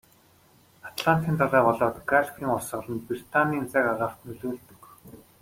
Атлантын далай болоод Галфын урсгал нь Британийн цаг агаарт нөлөөлдөг.